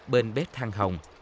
bên bếp thang hồng